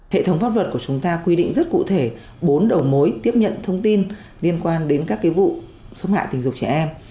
hệ thống pháp luật của chúng ta quy định rất cụ thể bốn đầu mối tiếp nhận thông tin liên quan đến các vụ xâm hại tình dục trẻ em